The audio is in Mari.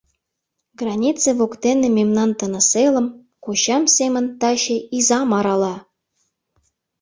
Границе воктене мемнан тыныс элым Кочам семын таче изам арала!